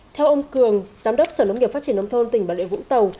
theo ông cường giám đốc sở nông nghiệp phát triển âm thôn tỉnh bà lệ vũng tàu